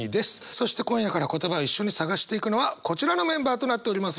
そして今夜から言葉を一緒に探していくのはこちらのメンバーとなっております。